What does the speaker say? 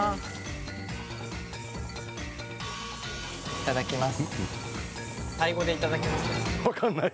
いただきます。